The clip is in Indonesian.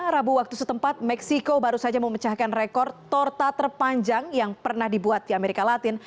rabu waktu setempat meksiko baru saja memecahkan rekor torta terpanjang yang pernah dibuat di amerika latin